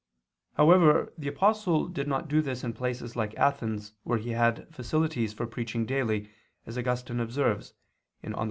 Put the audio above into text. However, the Apostle did not do this in places like Athens where he had facilities for preaching daily, as Augustine observes (De oper.